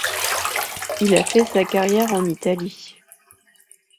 Il a fait sa carrière en Italie.